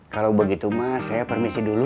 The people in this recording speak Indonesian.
kalau begitu mas saya permisi dulu